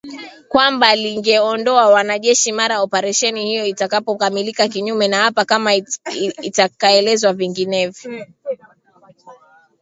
Kwamba lingeondoa wanajeshi mara operesheni hiyo itakapokamilika, kinyume na hapo kama itaelekezwa vinginevyo